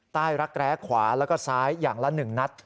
รักแร้ขวาแล้วก็ซ้ายอย่างละ๑นัด